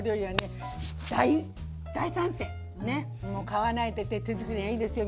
買わないで手作りがいいですよ